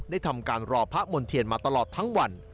ทำการรอพระมณ์เทียนมาตลอดทั้งวัน